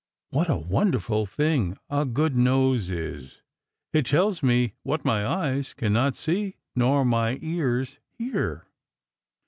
What a wonderful thing a good nose is! It tells me what my eyes cannot see nor my ears hear."